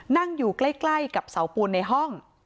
นั่งอยู่ใกล้กับเสาปูนในห้อง